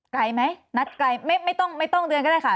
ไกลไหมนัดไกลไม่ต้องไม่ต้องเดือนก็ได้ค่ะ